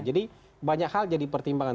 jadi banyak hal jadi pertimbangan